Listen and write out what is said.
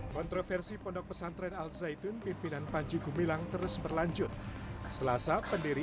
kontroversi pondok pesantren al zaitun pimpinan panji gumilang terus berlanjut selasa pendiri